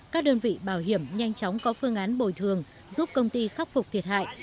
các đơn vị bảo hiểm nhanh chóng có phương án bồi thường giúp công ty khắc phục thiệt hại